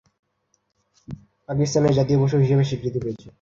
এটি পাকিস্তানের জাতীয় পশু হিসেবে স্বীকৃতি পেয়েছে।